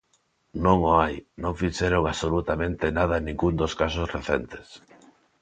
Non o hai, non fixeron absolutamente nada en ningún dos casos recentes.